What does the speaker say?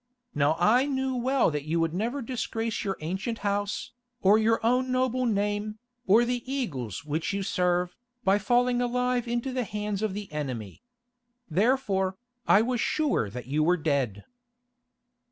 Now I knew well that you would never disgrace your ancient house, or your own noble name, or the Eagles which you serve, by falling alive into the hands of the enemy. Therefore, I was sure that you were dead."